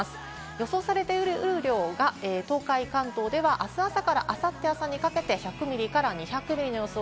予想されている雨量が東海、関東では、あす朝からあさって朝にかけて１００ミリから２００ミリの予想。